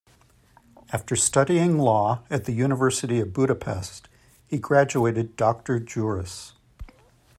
After studying law at the University of Budapest he graduated "doctor juris".